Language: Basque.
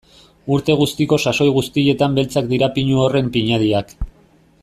Urte guztiko sasoi guztietan beltzak dira pinu horren pinadiak.